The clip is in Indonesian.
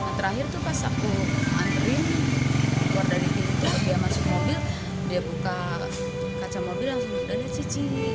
yang terakhir tuh pas aku antri keluar dari situ dia masuk mobil dia buka kaca mobil langsung dadah dadah cici